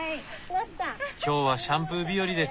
今日はシャンプー日和ですね。